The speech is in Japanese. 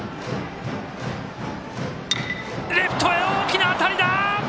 レフトへ大きな当たり！